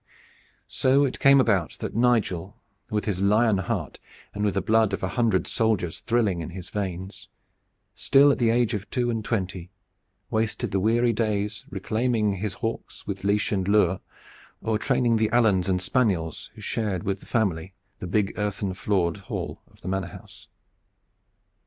So it came about that Nigel, with his lion heart and with the blood of a hundred soldiers thrilling in his veins, still at the age of two and twenty, wasted the weary days reclaiming his hawks with leash and lure or training the alans and spaniels who shared with the family the big earthen floored hall of the manor house.